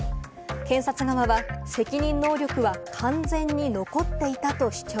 検察側は責任能力は完全に残っていたと主張。